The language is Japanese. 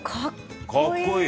「かっこいい！」